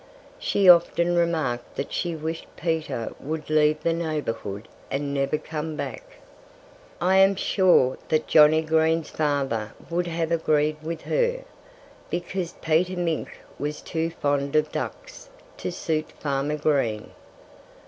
She often remarked that she wished Peter would leave the neighborhood and never come back. I am sure that Johnnie Green's father would have agreed with her, because Peter Mink was too fond of ducks to suit Farmer Green.